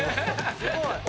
すごい！